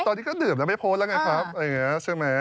ตอนนี้ก็ดื่มแล้วไม่โพสต์แล้วไงครับอะไรอย่างนี้ใช่ไหม